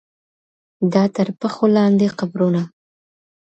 دا تر پښو لاندي قبرونه ..